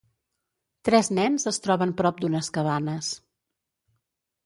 Tres nens es troben prop d'unes cabanes.